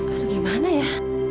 aduh gimana ya